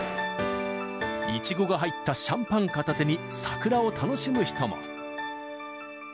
イチゴが入ったシャンパン片手に、桜を楽しむ人も。